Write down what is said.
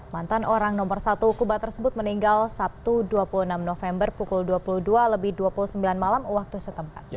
mantan orang nomor satu kuba tersebut meninggal sabtu dua puluh enam november pukul dua puluh dua lebih dua puluh sembilan malam waktu setempat